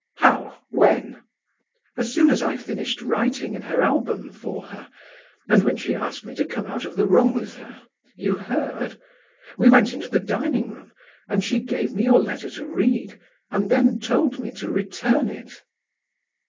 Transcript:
"How? When?" "As soon as I finished writing in her album for her, and when she asked me to come out of the room with her (you heard?), we went into the dining room, and she gave me your letter to read, and then told me to return it."